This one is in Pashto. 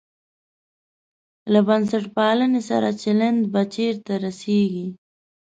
له بنسټپالنې سره چلند به چېرته رسېږي.